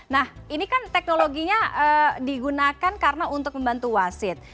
nah ini kan teknologinya digunakan karena untuk membantu wasit